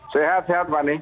sehat sehat fani